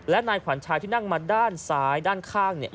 และนายขวัญชายที่นั่งมาด้านซ้ายด้านข้างเนี่ย